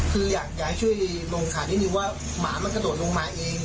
คืออยากย้ายช่วยโรงสถานีว่าหมามันก็โดดลงมาเอง